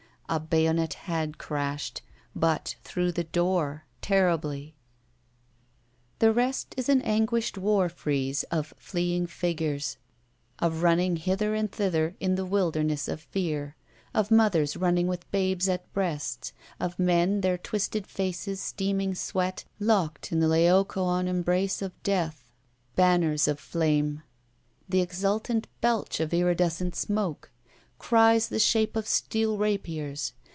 A bayonet had crashed, but through the door, terribly ! The rest is an anguished war frieze of fleeing figures; of running hither and thither in the wildness 225 ROULETTE of fear; of mothers running with babes at breasts; of men, their twisted faces steaming sweat, lockfd in the LaocoOn embrace of death. Banners of flane. The exultant belch of iridescent smoke. Cries the shape of steel rapiers.